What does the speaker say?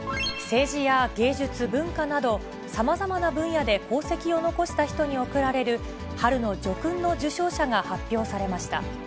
政治や芸術、文化など、さまざまな分野で功績を残した人に贈られる春の叙勲の受章者が発表されました。